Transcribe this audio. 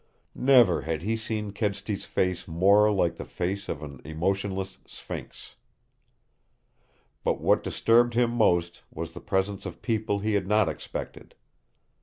Never had he seen Kedsty's face more like the face of an emotionless sphinx. But what disturbed him most was the presence of people he had not expected.